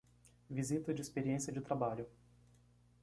Visita de experiência de trabalho